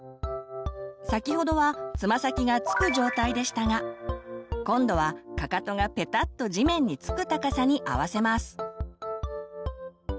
先ほどはつま先が着く状態でしたが今度はかかとがペタッと地面に着く高さに合わせます。